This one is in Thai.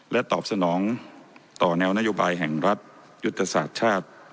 และตอบสนองต่อแนวนโยบายแห่งรัฐยุทธศาสตร์ชาติ